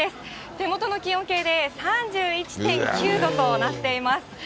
手元の気温計で３１．９度となっています。